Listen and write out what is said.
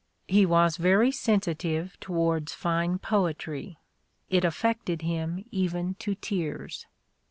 He was very sensitive towards fine poetry ; it affected him even to tears.